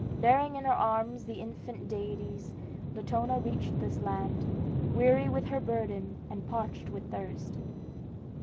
Bearing in her arms the infant deities, Latona reached this land, weary with her burden and parched with thirst.